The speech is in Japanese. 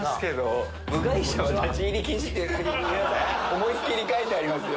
思いっきり書いてありますよ。